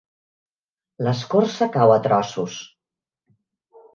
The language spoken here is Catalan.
L'escorça cau a trossos.